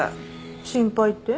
心配って？